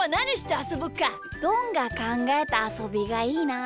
どんがかんがえたあそびがいいな。